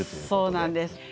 そうなんです。